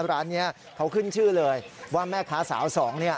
ร้านนี้เขาขึ้นชื่อเลยว่าแม่ค้าสาวสองเนี่ย